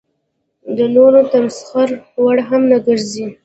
د نورو د تمسخر وړ هم نه ګرځي.